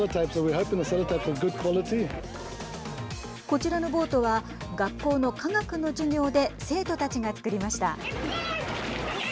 こちらのボートは学校の科学の授業で生徒たちが作りました。